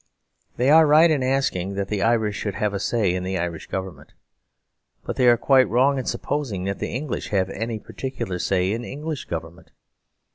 They are right in asking that the Irish should have a say in the Irish government, but they are quite wrong in supposing that the English have any particular say in English government.